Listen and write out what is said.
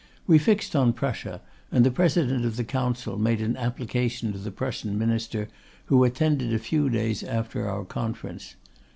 We fixed on Prussia; and the President of the Council made an application to the Prussian Minister, who attended a few days after our conference.